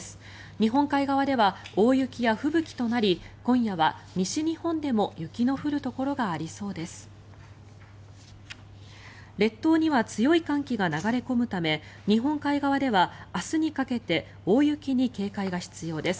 日本海側では大雪や吹雪となり今夜は西日本でも雪の降るところがありそうです。